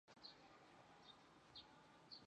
他最喜欢的足球队是博卡青年队俱乐部。